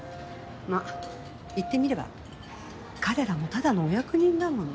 まあいってみれば彼らもただのお役人だもの。